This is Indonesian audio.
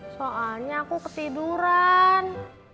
soalnya aku ketiduran